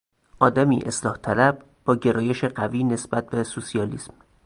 آدمی اصلاحطلب با گرایش قوی نسبت به سوسیالیسم